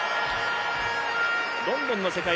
ロンドンの世界